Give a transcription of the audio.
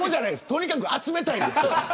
とにかく集めたいんですよ。